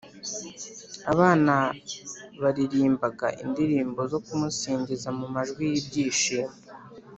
abana baririmbaga indirimbo zo kumusingiza mu majwi y’ibyishimo